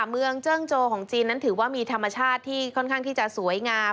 เมืองเจิ้งโจของจีนนั้นถือว่ามีธรรมชาติที่ค่อนข้างที่จะสวยงาม